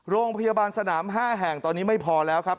โรงพยาบาลสนาม๕แห่งตอนนี้ไม่พอแล้วครับ